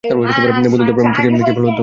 বন্ধুত্ব, প্রেম, ত্যাগ, কি ফালতু কথা।